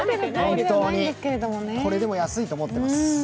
これでも安いと思っています。